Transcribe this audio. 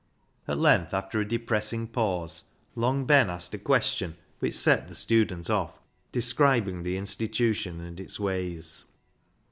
At length, after a depressing pause, Long Ben asked a question which set the student off describing the " institution " and its ways.